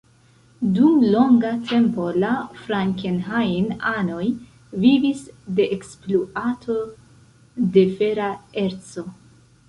Dum longa tempo la frankenhain-anoj vivis de ekspluato de fera erco.